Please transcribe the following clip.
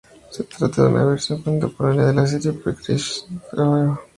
Se trata de una versión contemporánea, de la serie pre-crisis Dial H for Hero.